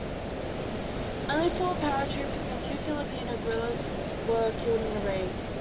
Only four paratroopers and two Filipino guerrillas were killed in the raid.